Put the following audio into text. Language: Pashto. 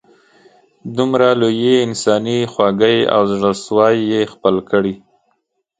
دومره لویې انسانې خواږۍ او زړه سوي یې خپل کړي.